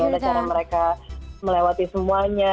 bagaimana cara mereka melewati semuanya